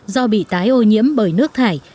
do bị tái ô nhiễm bởi nước thải